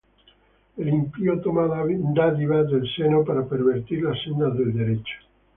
El impío toma dádiva del seno Para pervertir las sendas del derecho.